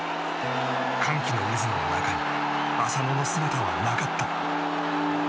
歓喜の渦の中に浅野の姿はなかった。